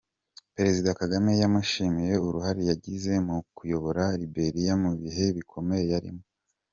Perezida Kagame yamushimiye uruhare yagize mu kuyobora Liberia mu bihe bikomeye yarimo.